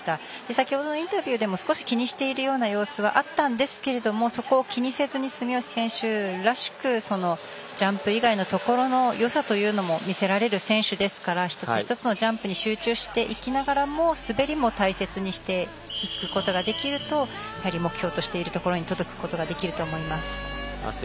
先ほどのインタビューでも少し気にしているような様子はあったんですけれどもそこを気にせずに住吉選手らしくジャンプ以外のところのよさというのを見せられる選手ですから一つ一つのジャンプに集中していきながらも滑りも大切にしていくことができると目標としているところに届くことができると思います。